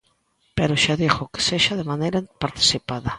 Pero, xa digo, que sexa de maneira participada.